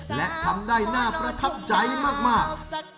และทำได้น่าประทับใจมาก